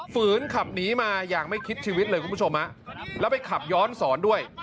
ฝืนขับหนีมาอย่างไม่คิดชีวิตเลยคุณผู้ชมฮะแล้วไปขับย้อนสอนด้วย